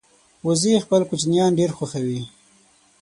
وزې خپل کوچنیان ډېر خوښوي